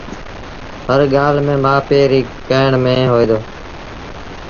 هر ڳآل ميݩ مآ پي ري ڪهيڻ ميݩ هوئي دو